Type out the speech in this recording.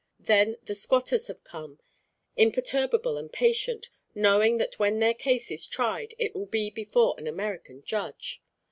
Then the squatters have come, imperturbable and patient, knowing that when their case is tried, it will be before an American judge.